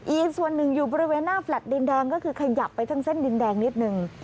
อีกส่วนหนึ่งอยู่บริเวณหน้าแฟลต์ดินแดงก็คือขยับไปทั้งเส้นดินแดงนิดนึง